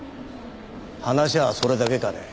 話はそれだけかね。